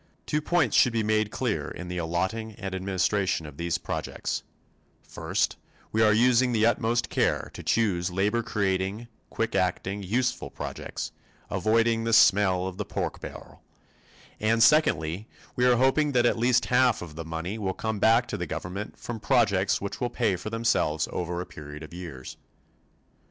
Two points should be made clear in the allotting and administration of these projects first, we are using the utmost care to choose labor creating, quick acting, useful projects, avoiding the smell of the pork barrel; and secondly, we are hoping that at least half of the money will come back to the government from projects which will pay for themselves over a period of years.